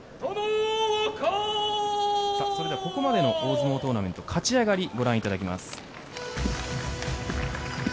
それではここまでの大相撲トーナメント勝ち上がり、ご覧いただきます。